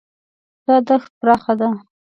دا دښت پراخه ده.